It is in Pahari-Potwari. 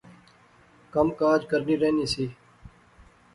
کم کاج کرنی رہنی سی